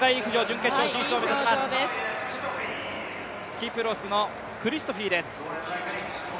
キプロスのクリストフィです。